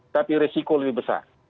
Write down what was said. tapi resiko lebih besar